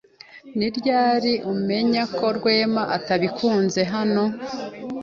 Ni ryari wamenye ko Rwema atabikunze hano?